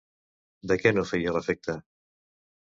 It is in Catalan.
De què no feia l'efecte?